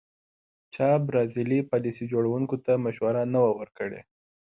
چا برازیلي پالیسي جوړوونکو ته مشوره نه وه ورکړې.